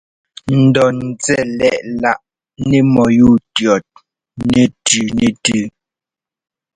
N dɔ ńzɛ́ lɛ́ꞌ láꞌ nɛ mɔ́yúu ndʉ̈ɔt nɛtʉ nɛtʉ.